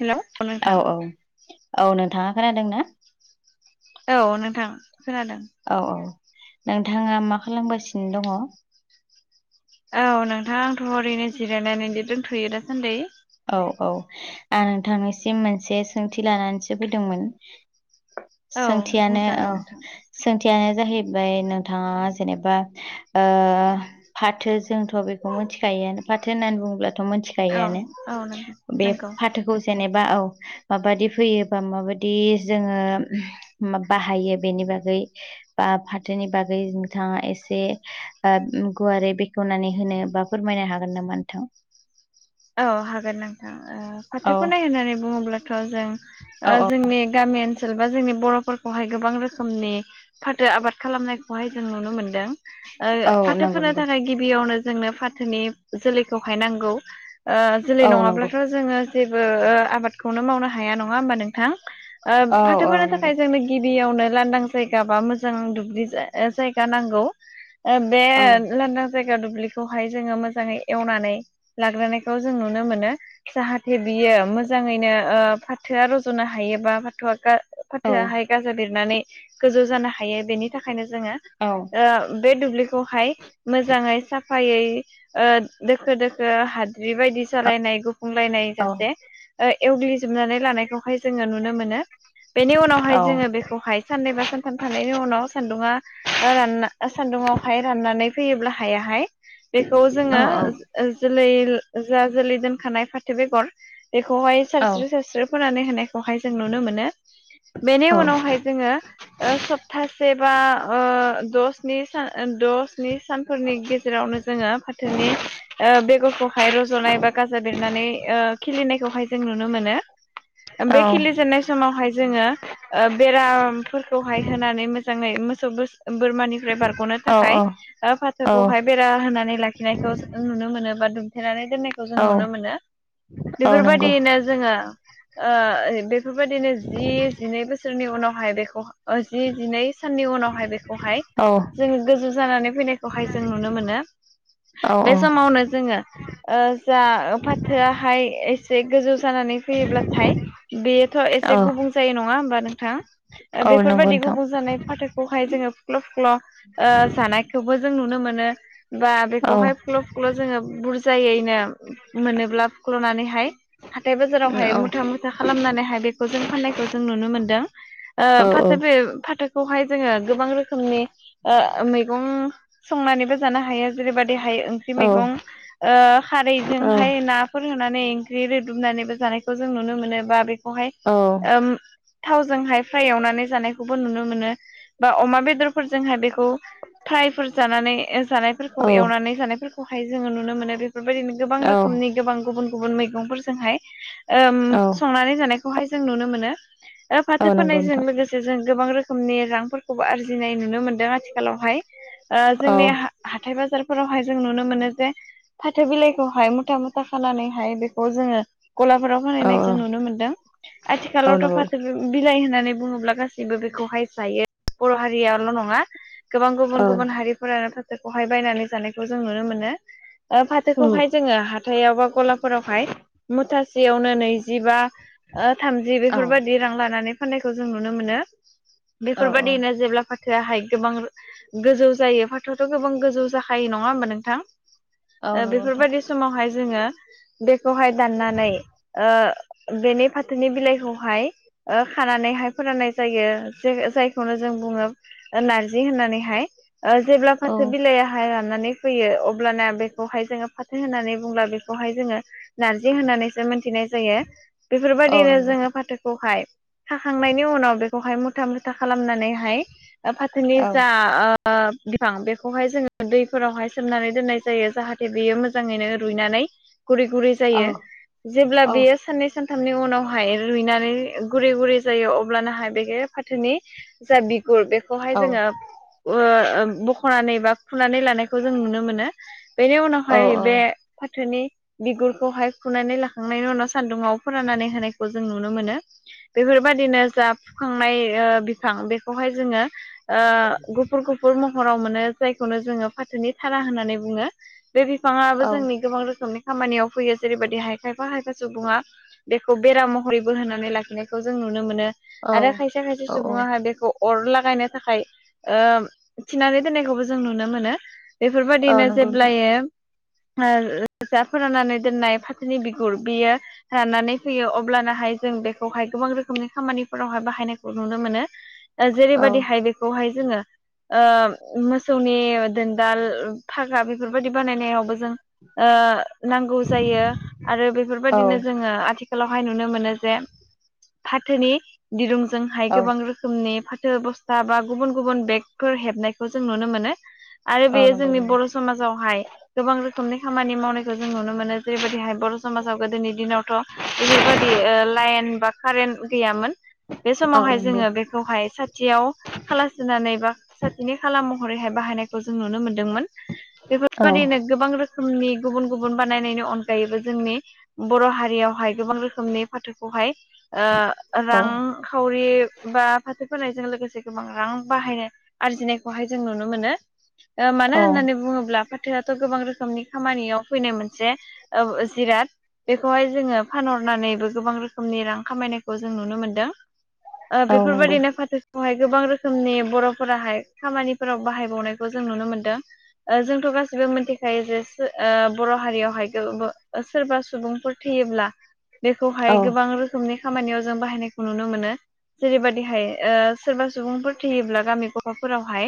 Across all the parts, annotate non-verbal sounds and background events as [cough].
Hello औ औ औ नोंथाङा खोनादों ना? औ नोंथां खोनादों औ औ नोंथाङा मा खालामगासिनो दङ? औ नोंथां आंथ' ओरैनो जिरायनानै दोंथ'यो दासान्दै औ औ आं नोंथांनिसिम मोनसे सोंथि लानानैसो फैदोंमोन औ सोंथियानो औ बुंजागोन नोंथां सोंथियानो जाहैबाय नोंथाङा जेनेबा ओ फाथो जोंथ' बेखौ मिथिखायोआनो फाथो होननानै बुङोब्ला थ' औ मिथिखायोआनो औ नंगौ बे फाथोखौ जेनेबा औ माबादि फैयोबा माबादि जोङो बाहायो बेनि बागै बा फाथोनि बागै नोंथाङा एसे गुवारै बेखवनानै होनो बा फोरमायनो हागोन नामा नोंथां? औ हागोन नोंथां। औ फाथोखौ नाय होननानै बुङोब्लाथ' औ जों जोंनि गामि ओनसोल बा जोंनि बर'फोरखौहाय गोबां रोखोमनि फाथो आबाद खालामनायखौहाय जों नुनो मोनदों। औ फाथो नंगौ फोनो नंगौ थाखाय गिबियावनो जोंनो फाथोनि जोलैखौहाय नांगौ। जोलै औ नंगौ नङाब्लाथ' जोङो जेबो आबादखौनो मावनो हाया नङा होमबा नोंथां। औ औ फाथोफोरनो नंगौ थाखाय जोंनो। गिबियावनो लांदां जायगा बा मोजां दुब्लि जायगा नांगौ? बे औ लांदां जायगा दुब्लिखौहाय जोङो मोजाङै एवनानै लाग्रोनाय बखौ जों नुनो मोनो। जाहाथे बियो मोजाङैनो फाथोआ रज'नो हायोबा फाथोआ औ फाथोआहाय गाजा बिरनानै गोजौ जानो हायो बेनि थाखायनो जोङो औ बे दुब्लिखो खौहाय मोजाङै साफायै दोखो दोखो हा बेबायदि सालायनाय गुफुंलायनाय औ सासे ओ एवग्लिजोबनानै लानायखौहाय जोङो नुनो मोनो बेनि औ उनावहाय जोङो बेखौ खौहाय साननैबा सानथाम थानायनि उनाव सान्दुंङा रानना सान्दुुंङावहाय राननानै फैयोब्ला हायावहाय बेखौ औ जोङो ओ जोलै जा जोलै दोनखानाय फाथो बेगर बेखौहाय सारस्रो सारस्रो फोनानै होनाय खौहाय जों नुनो मोनो बेनि औ उनावहाय जोङो सप्तासे बा दा सान दसनि सानफोरनि गेजेरावनो जोङो फाथोनि बेगरखौ ाय रज'नाय बा गाजा बेरनानै खिलिनायखौहाय जों नुनो मोनो। बेखिलि जेनाय समावहाय जोङो बेरामफोरखौहाय होनानै मोजाङै मोसौ बोरमानि फ्राय बारग'नो औ थाखाय ओ फाथोखौहाय बेरा होनानै लाखिनायखौ नुनो मोनोबा थेनानै दोननायखौ जों औ नुनो मोनो औ नंगौ बेफोरबायदियैनो जोङो ओ बेफोरबायदिनो जि जिनै बोसोरनि उनावहाय बेखौ ओ जि जिनै साननि उनावहाय बेखौहाय औ जोङो गोजौ जानानै फैनायखौहाय जों नुनो मोनो औ बे औ समावनो जोङो ओ जा फाथोआहाय एसे गोजौ जानानै फैयोब्लाथाय बेयोथ' औ एसे गुबुं गुबु जायो नङा होमबा नोंथां औ नंगौ बेफोरबायदि नोंथां गुबुं जानाय फाथोखौहाय जोङो फुख्ल' फुख्ल' ओ जानायखौबो जों नुनो मोनो बा औ बेखौहाय फुख्ल' फुख्ल'जोङो बुर जायैनो मोनोब्ला फुख्ल'नानैहाय हाथाय बाजारावहाय औ मुथा मुथा खालामनानैहाय बेखौ जों फाननायखौ जों नुनो मोनदों। ओ औ फाथो बे फाथोखौहाय जोङो गोबां रोखोमनि ओ मैगं संनानैबो जानो हायो जेरैबायदिहाय ओंख्रि औ मैगं ओ औ खारैजोंहाय ना फोर होनानै ओंख्रि रोदुमनानैबो जानायखौ जों नुनो मोनो बा बेखौहाय थावजोंहाय फ्राय एवनानै जानायखौबो नुनो मोनो बा अमा बेदरफोरजोंहाय बेखौ बेखौ फ्राइफोर जानानै जानायफोरखौ औ एवनानै जानायफोरखौहाय जोङो नुनो मोनो। बेफोरबायदिनो गोबां रोखोमनि गोबां गुबुन गुबुन मैगंफोरजोंहाय औ संनानै जानाय खौहाय जों नुनो मोनो ओ औ फाथो नंगौ फोननायजों नोंथां लोगोसे जों गोबां रोखोमनि रांफोरखौबो आरजिनाय नुनो मोनदों आथिखालावहाय औ जोंनि हाथाय बाजारफोरावहाय जों नुनो मोनो जे फाथो बिलाइखौहाय मुथा मुथा खानानैहाय बेखौ जोङो गलाफोराव औ फानहैनायखौ नुनो मोनदों औ आथिखालाव' नंगौ फाथो बिलाइ होननानै बुङोब्ला गासैबो बेखौहाय जायो बर' हारियाल' नङा गोबां औ गुबुन गुबुन हारिफोरानो फाथोखौहाय बायनानै जानायखौ जों नुनो मोनो। ओ औ फाथोखौहाय जोङो हाथायाव बा गलाफोरावहाय मुथासेयावनो नैजिबा ओ थामजि औ बेफोरबायदि रां लानानै फाननायखौ जों नुनो मोनो औ बेफोरबायदिनो जेब्ला फा थोआहाय गोबां गोजौ जायो फाथोआथ' गोबां गोजौ जाखायो नङा होमबा नोंथां? औ ओ नंगौ नोंथां बेफोरबायदि समावहाय जोङो बेखौहाय दाननानै ओ बेनि फाथोनि बिलाइखौहाय ओ खानानैहाय फोराननाय जायो ज जायखौनो जों बुङो नारजि होननानैहाय ओ जेब्ला औ फाथो बिलाइयाहाय राननानै फैयो अब्लाना बे बेखौहाय जोङो फाथो होननानै बुंब्ला बेखौहाय जोङो नारजि होननानैसो मोनथिनाय जायो औ बेफोरबायदिनो नंगौ जोङो फाथो खौहाय खाखांनायनि उनाव बेखौहाय मुथा मुथा खालामनानैहाय फाथोनि औ जा ओ बिफां बेखौहाय जोङो दैफोरावहाय सोमनानै दोननाय जायो। जाहाथे बेयो मोजाङैनो रुइनानै गुरै गुरै जायो जेब्ला बेयो साननै सान साथामनि उनावहाय रुइनानै गुरै गुरै जायो अब्लानाहाय बेख फाथोनि जा बिगुर बेखौहाय जोङो ओ बख'नानै बा खुनानै लानायखौ जों नुनो मोनो। बेनि औ उनावहाय बे फाथोनि बिगुरखौहाय खुनानै लाखांनायनि उनाव सान्दुङाव फोराननानै होनायखौ जों नुनो मोनो। बेफोरबायदिनो जा फुखांनाय ओ बिफां बेखौहाय जोङो ओ गुफुर गुफुर महराव मोनो जायखौनो जोङो फाथोनि थारा होननानै बुङो। बे बिफाङाबो जोंनि गोबां रोखोमनि खामानियाव फैयो जेरैबायदि हाय खायफा हायफा सुबुङा बेखौ बेराम महरैबो होनानै लाखिनायखौ जों नुनो मोनो आरो खायसे खायसे सुबुङाहाय बेखौ अर लागायनो थाखाय ओ थिनानै दोननायखौबो जों नुनो मोनो औ बेफोरबायदिनो नंगौ [unintelligible] ओ नोंथां फोराननानै दोननाय फाथोनि बिगुर बियो राननानै फैयो अब्लानाहाय जों बेखौहाय गोबां रोखोमनि खामानिफोरावहाय बाहायनायखौ नुनो मोनो। ओ औ जेरैबायाददिहाय बेखौहाय जोङो ओ मोसौनि दोनदाल फागा बेफोरबायदि बानायनायावबो जों ओ नांगौ जायो आरो औ बेफोरबायदिनो जोङो आथिखाल आथिखालावहाय नुनो मोनो जे फाथोनि दिरुंजोंहाय औ गोबां रोखोम रोखोमनि फाथो बस्था बा गुबुन गुबुन बेगफोर हेबनायखौ जों नुनो मोनो। आरो औ बेयो नंगौ जोंनि नंगौ बर' समाजावहाय गोबां रोखोमनि खामानि मावनायखौ जों नुनो मोनो जेरैबायदिहाय बर' समाजाव गोदोनि दिनाव बेफोरबायदि लाइन बा कारेन्ट गैयामोन बे औ समावहाय नंगौ जोङो बे दहाय साथियाव खाला सिनानै बा साथिनि खाला महरैहाय बाहायनायखौ जों नुनो मोन्दोंमोन। औ बेफोरबायदिनो गोबां रोखोमनि गुबुन गुबुन बानायनायनि अनगायैबो जोंनि बर' हारियावहाय गोबां रोखोमनि फाथोखौहाय ओ औ रां खावरि बा फाथो फोनायजों लोगोसे गोबां रां बाहायनो आरजिनायखौहाय जों नुनो मोनो मानो औ होननानै बुङोब्ला फा बोथोआथ' गोबां रोखोमनि खामानियाव फैनाय मोनसे ओ जिराद। बेखौहाय जोङो फानहरनानैबो गोबां रोखोमनि रां खामायनायखौ जों नुनो मोनदों। ओ औ नंगौ बेफोरबायदिनो फाथो बेवहाय गोबां रोखोमनि बर'फोराहाय खामानिफोराव बाहायबावनायखौ जों नुनो मोनदों। ओ जोंथ' गासिबो मिथिखायो सो औ बर' हारियावहाय सोरबा सुबुंफोर थैयोब्ला औ बेखौहाय गोबां रोखोमनि खामानियाव जों बाहायनायखौ नुनो मोनो। जेरैबायदिहाय ओ सोरबा सुबुंफोर थैयोब्ला गामि गफा'फोरावहाय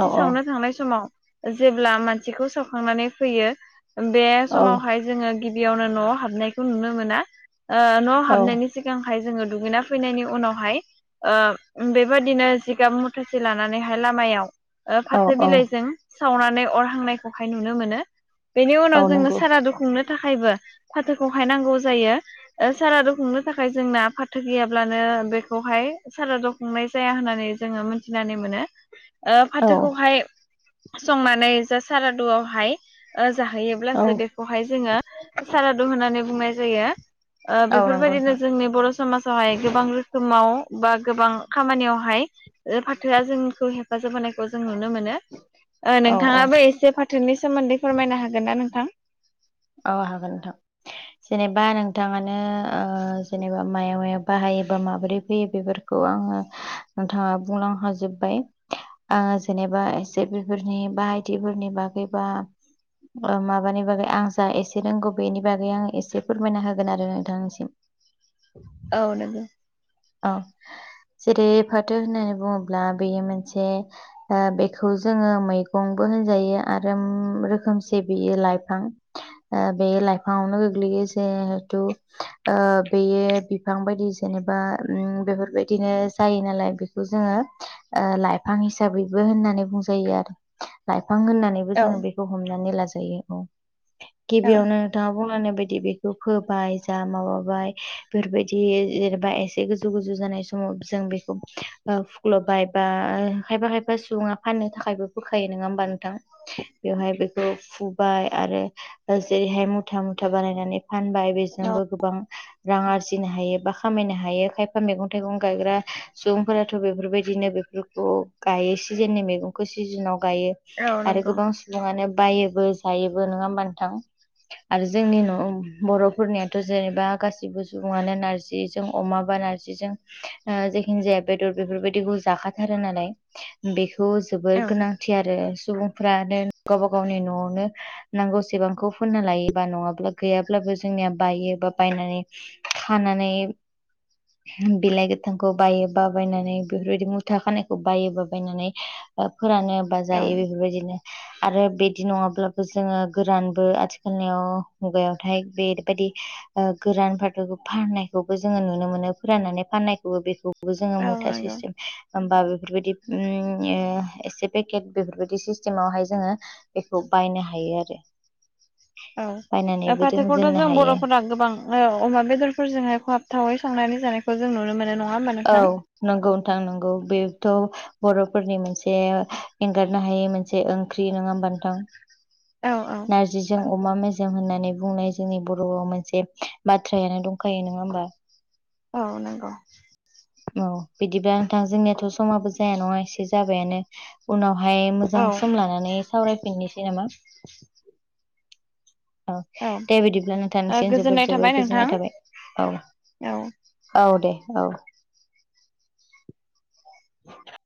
औ औ सावनो थांनाय समाव जेब्ला मानसिखौ सावखांनानै फैयो बे समावहाय जोङो गिबियावनो न'आव हाबनायखौ नुनो मोना ओ न' औ हाबनायनि सिगांहाय जोङो दुगैना फैनायनि उनावहाय बेबायाददिनो जिगाब मुथासे लानानैहाय लामायाव औ फाथो बिलाइजों सावनानै अर हांनायखौहाय नुनो मोनो। बेनि औ उनाव जोङो नंगौ साराादु खुंनो थाखायबो फाथोखौहाय नांगौ जायो। सारादु खुंनो थाखाय जोंना फाथो गैयाब्लानो बेखौहाय सारादु खुंनाय जाया होननानै जोङो मिथिनानै मोनो फाथोखौहाय संनानै जा सारादुआवहाय औ जाहैयोब्लासो बेखौहाय जोङो सारादु होननानै बुंनाय जायो। औ नंगौ बेफोरबायदिनो नोंथां जोंनि बर' समाजावहाय गोबां रोखोमाव बा गोबां खामानियावहाय फाथोआ जोंखौ हेफाजाब होनाय खौ जों नुनो मोनो औ औ नोंथाङाबो एसे फाथोनि सोमोन्दै फोरमायनो हागोन ना नोंथां? औ हागोन नोंथां। जेनेबा नोंथाङानो जेनेबा मायाव मायाव बाहायोबा माबोरै फैयो बेफोरखौ खौ आङो नोंथाङा बुंलां हाजोब्बाय आङो जेनेबा एसे बेफोरनि ब आायदिफोरनि बागैबा माबानि बागै आं जा एसे रोंगौ बेनि बागै आं एसे फोरमायना होगोन आरो नोंथांनिसिम औ नोंगौ। औ जेरै फाथो होननानै बुङोब्ला बेयो मोनसे बेखौ जोङो मैगंबो होनजायो आरो रोखोमसे बियो लाइफां बे लाइफा आनो बेगलि गैसे बेयो बिफां बायदि जेनेबा बेफोरबायदिनो जायो नालाय बेखौ जोङो लाइफां हिसाबैबो होननानै बुंजायो आरो लाइफां होननानै औ जोो बेखौ हमनानै लाजायो औ गिबियावनो नथाङा बुंलांनाय बायदि बेखौ फोबाय जा माबाबाय बेफोरबायदि जेनेबा ए ज गोजौ गोजु जानाय समाव जों बेखौ फुख्ल'बाय बा खायफा खायफा सुबुङा फाननो थाखायबो बोखायो नङा होमबा नोंथां? बेवहाय बेखौ फुबाय आरो जेरैहाय मुथा मुथा बानायनानै फानबाय बेजोंबो गोबां रां आरजिनो हायो बा खामायनो हायो। खायफा मैगं थाइगं गायग्रा सुबुंफोराथ' बेफोरबायदिनो बेफोरखौ गायो सिजेननि मैगं सिजोनाव गायो औ आरो नंगौ गोबां सुबुङनो बायोबो जायोबो नङा होमबा नोंथां? आरो जोंनि न' बर'फोरनियाथ' जेनेबा गासिबो सुबुङानो नारजिजों अमा बा नारजिजों जेखिनि जाया बेदर बेफोरबायदिखौ जाखाथारो नालाय बेखौ औ जोबोर गोनांथि आरो सुबुंफ्रानो गावबा गावनि न'आवनो नांगौसेबांखौ फुनना लायोबा नङाब्ला गैयाब्लाबो जोंनिया बायो बा बायनानै खानानै बिलाइ गोथांखौ बायो बा बायनानै बेफोरबायदि मु फिथा खानायखौ बायो बा बायनानै फोरानो बा औ जायो बेफोरबायदिनो आरो बिदि नङाब्लाबो जोङो गोरानबो आथिखालनियाव मुगायावथाय बेबायदि गोरान फाथोखौ फाननायखौबो जोङो नु नुनो मोनो फोरनानै फाननायखौबो बेखौबो जोङो औ मुथा सि नंगौ होमबा बेफोरबायदि एसे पेकेट बेफोरबायदि सिस्टेमावहाय जोङो बेखौ बायनो हायो आरो औ बायनानैबो फाथोखौथ' दोननो जों हायो बर'फोरा गोबां औ अमा बेदरफोरजोंहाय खहाबथावै संनानै जानायखौ जों नुनो मोनो नङा होमबा औ नोंथां? नंगौ नथां नंगौ बेथ' बर'फोरनि मोनसे एंगारनो हायै मोनसे ओंख्रि नङा होमबा नोंथां? औ औ। नारजिजों अमा मेजजों होननानै बुंनाय जोंनि बर'आव मोनसे बाथ्रायानो दंखायो नङा होमबा? औ नंगौ। औ बिदिब्ला नोंथां जोंनियाथ' समाबो जाया नङा एसे जाबायानो उनावहाय औ मोजां सम लानानै सावरायफिननोसै नामा? [inaudible] औ दे बिदिब्ला ओ नोंथांसिम जोबोर गोजोननाय जोबोर थाबाय नोंथां गोजोननाय थाबाय औ। औ दे औ। [inaudible]